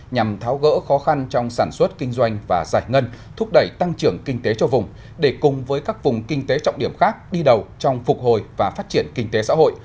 nhằm tháo gỡ khó khăn trong sản xuất kinh doanh và giải ngân thúc đẩy tăng trưởng kinh tế cho vùng để cùng với các vùng kinh tế trọng điểm khác đi đầu trong phục hồi và phát triển kinh tế xã hội